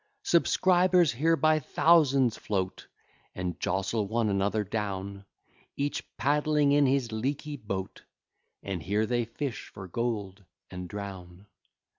Subscribers here by thousands float, And jostle one another down; Each paddling in his leaky boat, And here they fish for gold, and drown.